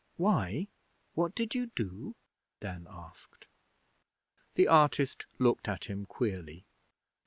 'Why? What did you do?' Dan asked. The artist looked at him queerly.